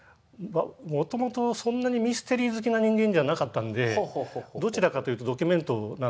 もともとそんなにミステリー好きな人間じゃなかったんでどちらかというとドキュメントなんですよ。